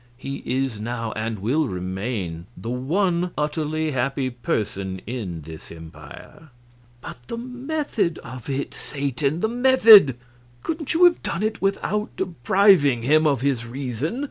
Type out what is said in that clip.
He is now, and will remain, the one utterly happy person in this empire." "But the method of it, Satan, the method! Couldn't you have done it without depriving him of his reason?"